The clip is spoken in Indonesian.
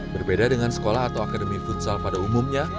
berbeda dengan sekolah atau akademi futsal pada umumnya